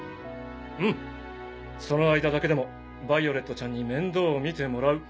うんその間だけでもヴァイオレットちゃんに面倒を見てもらう。